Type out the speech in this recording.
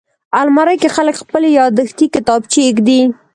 الماري کې خلک خپلې یاداښتې کتابچې ایږدي